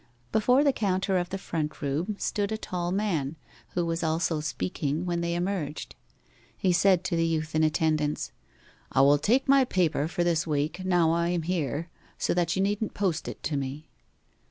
Before the counter of the front room stood a tall man, who was also speaking, when they emerged. He said to the youth in attendance, 'I will take my paper for this week now I am here, so that you needn't post it to me.